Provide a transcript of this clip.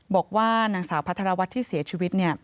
บอกว่านางสาวพัทรวัฒน์ที่เสียชีวิต